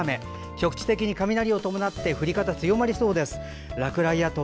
局地的には雷を伴って雨の降り方が強まりそうです。